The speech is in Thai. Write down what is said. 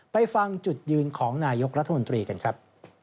ไปฟังจุดยืนของนายกรัฐมนตรีกันครับ